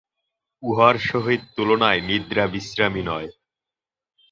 উহার সহিত তুলনায় নিদ্রা বিশ্রামই নয়।